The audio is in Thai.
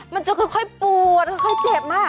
มันจะค่อยปวดค่อยเจ็บ